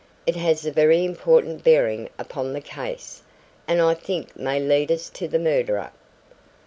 It has a very important bearing upon the case, and I think may lead us to the murderer."